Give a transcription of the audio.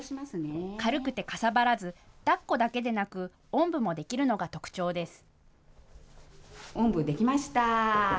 軽くてかさばらずだっこだけでなくおんぶもできるのが特徴です。